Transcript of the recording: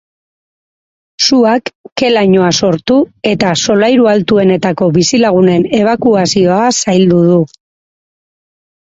Suak ke-lainoa sortu eta solairu altuenetako bizilagunen ebakuazioa zaildu du.